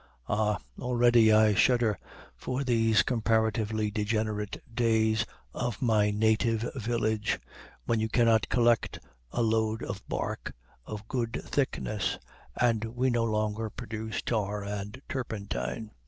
Ah! already I shudder for these comparatively degenerate days of my native village, when you cannot collect a load of bark of good thickness, and we no longer produce tar and turpentine.